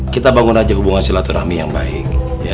kita bangun aja hubungan silaturahmi yang baik